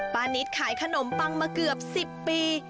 นิดขายขนมปังมาเกือบ๑๐ปี